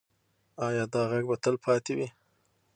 ایا دا غږ به تل پاتې وي؟